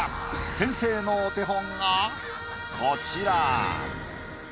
先生のお手本がこちら。